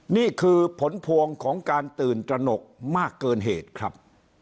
นี่คือผลพวงของการตื่นตระหนกมากเกินเหตุครับ